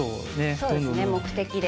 そうですね目的で。